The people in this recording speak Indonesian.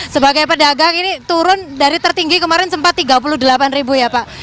sebagai pedagang ini turun dari tertinggi kemarin sempat tiga puluh delapan ribu ya pak